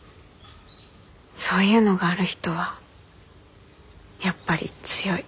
そういうのがある人はやっぱり強い。